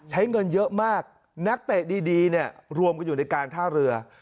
ใช้เงินเยอะมากนักเตะดีเนี่ยรวมกันอยู่ในการท่าเรือ